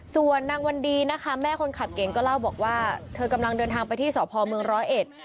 ส่วนนางวันดีนะคะแม่คนขับเก่งก็เล่าบอกว่าเธอกำลังเดินทางไปที่สพเมืองร้อยเอ็ด